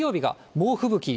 猛吹雪。